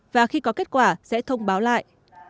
và khi có kết quả sẽ thông báo lại